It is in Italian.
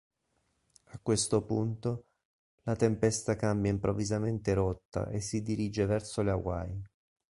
A questo punto, la tempesta cambia improvvisamente rotta e si dirige verso le Hawaii.